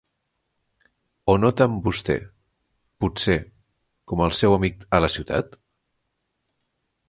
O no tant vostè, potser, com el seu amic a la ciutat?